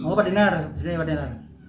oh pak dinar sini pak dinar